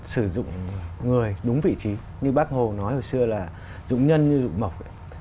sử dụng người đúng vị trí như bác hồ nói hồi xưa là dụng nhân như dụng mộc